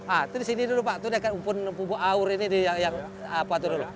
itu di sini dulu pak itu di depan umpun pumbu aur ini yang apa itu dulu